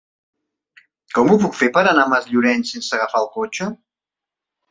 Com ho puc fer per anar a Masllorenç sense agafar el cotxe?